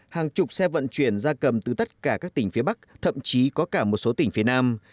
hàng chục xe vận chuyển ra cầm từ tất cả các tỉnh phía bắc thậm chí có cả một số tỉnh phía nam